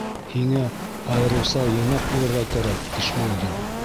- Һиңә айырыуса йыйнаҡ булырға кәрәк, Ишбулдин.